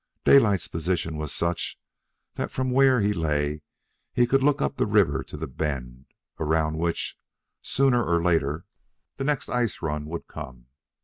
Daylight's position was such that from where he lay he could look up river to the bend, around which, sooner or later, the next ice run would come.